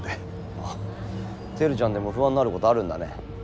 ああ輝ちゃんでも不安になることあるんだね？